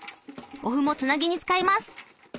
お麩もつなぎに使います。